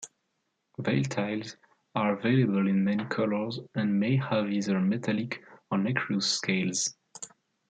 Veiltails are available in many colors and may have either metallic or nacreous scales.